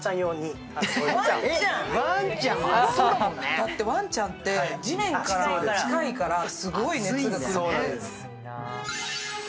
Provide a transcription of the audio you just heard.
だって、ワンちゃんって地面から近いからすごい熱が来るんだよね。